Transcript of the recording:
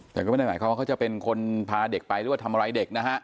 แต่ก็ไม่ได้หมายความว่าเขาจะเป็นคนพาเด็กไปหรือว่าทำอะไรเด็กนะฮะ